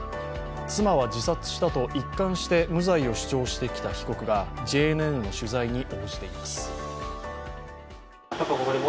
妻は自殺したと一貫して無罪を主張してきた被告がＪＮＮの取材に応じています。